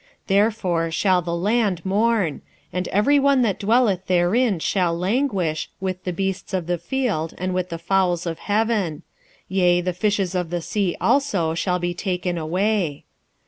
4:3 Therefore shall the land mourn, and every one that dwelleth therein shall languish, with the beasts of the field, and with the fowls of heaven; yea, the fishes of the sea also shall be taken away.